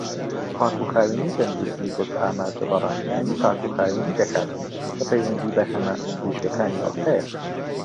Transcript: پاکوخاوێنی تەندروستی دەست ئاماژە بە ڕاهێنانی پاکوخاوێنی دەکات کە پەیوەندی بەرهەمە پزیشکیەکانەوە هەیە.